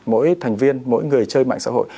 mỗi thành viên mỗi người chơi mạng xã hội